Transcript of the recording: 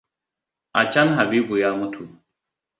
A can Habibu ya mutu.